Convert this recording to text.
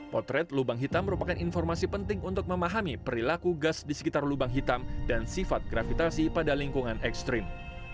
potret lubang hitam merupakan informasi penting untuk memahami perilaku gas di sekitar lubang hitam dan sifat gravitasi pada lingkungan ekstrim